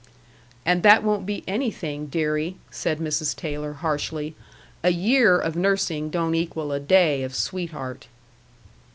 "And that won't be anything, deary," said Mrs. Taylor, harshly. "A year of nursing don't equal a day of sweetheart."